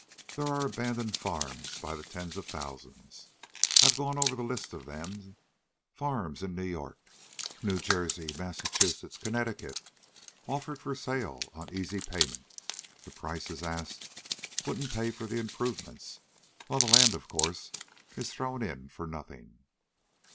There are abandoned farms by the tens of thousands. I've gone over the lists of them farms in New York, New Jersey, Massachusetts, Connecticut. Offered for sale on easy payment. The prices asked wouldn't pay for the improvements, while the land, of course, is thrown in for nothing.